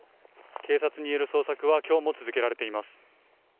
警察による捜索はきょうも続けられています。